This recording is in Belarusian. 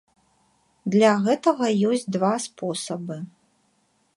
Для гэтага ёсць два спосабы.